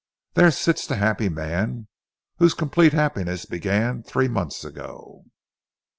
"There sits the happy man, whose complete happiness began three months ago."